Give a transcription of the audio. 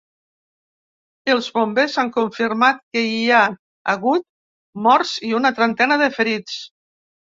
Els bombers han confirmat que hi ha hagut morts i una trentena de ferits.